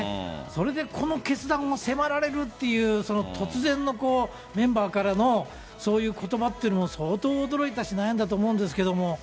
それでこの決断を迫られるという、突然のメンバーからの、そういうことばっていうのは相当驚いたし、悩んだと思うんですけれども。